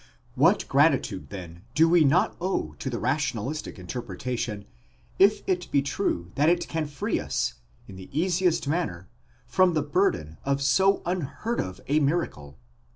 What gratitude then do we not owe to the rationalistic interpretation, if it be true that it can free us, in the easiest manner, from the burden of so un heard of a miracle?